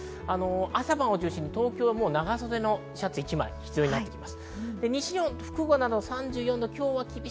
朝晩を中心に東京は長袖のシャツ１枚が必要になってきます。